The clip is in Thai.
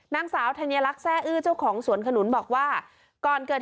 นางสาวธัญลักษร่อื้อเจ้าของสวนขนุนบอกว่าก่อนเกิดเหตุ